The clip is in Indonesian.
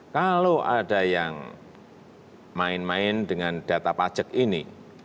kalau ada yang main main dengan data pajak ini